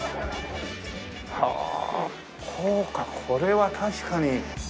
はあそうかこれは確かに。